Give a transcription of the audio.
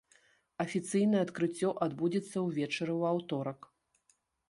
Афіцыйнае адкрыццё адбудзецца ўвечары ў аўторак.